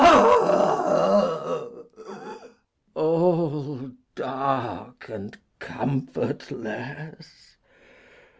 All dark and comfortless!